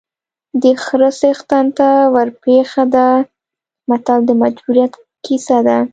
د خره څښتن ته ورپېښه ده متل د مجبوریت کیسه ده